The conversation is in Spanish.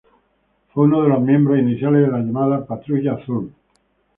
Fue uno de los miembros iniciales de la llamada Patrulla Azul.